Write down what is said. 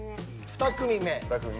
２組目。